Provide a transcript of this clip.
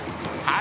あ！